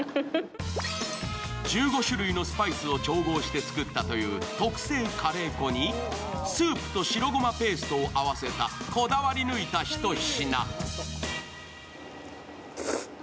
１５種類のスパイスを調合して作ったというこだわりのカレー粉にスープと白ごまペーストを合わせたこだわり抜いた一品。